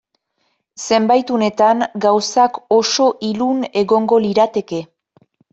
Zenbait unetan gauzak oso ilun egongo lirateke.